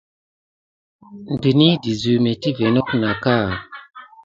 Ndəni dezu métivə not nako nat ka.